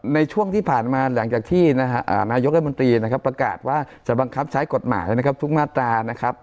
ในช่วงที่ผ่านมาหลังจากที่นายกรัฐมนตรีนะครับประกาศว่าจะบังคับใช้กฎหมายนะครับทุกมาตรานะครับ